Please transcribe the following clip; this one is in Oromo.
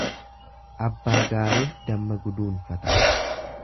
Abbaa gaariin damma guduunfata.